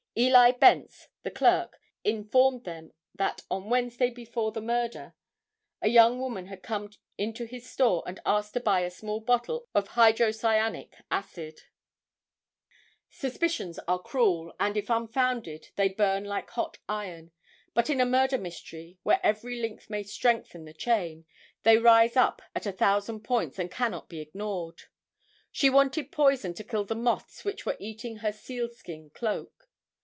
Eli Bence, the clerk, informed them that on Wednesday before the murder, a young woman had come into his store and asked to buy a small bottle of hydrocyanic acid. [Illustration: THE BORDEN HOMESTEAD, FERRY STREET.] Suspicions are cruel, and if unfounded, they burn like hot iron; but in a murder mystery, where every link may strengthen the chain, they rise up at a thousand points and cannot be ignored. She wanted poison to kill the moths which were eating her seal skin cloak.